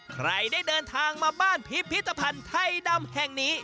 ใครได้เดินทางมาบ้านพิพิธภัณฑ์ไทยดำแห่งนี้